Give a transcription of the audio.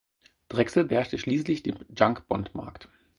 Drexel beherrschte schließlich den Junk-Bond-Markt.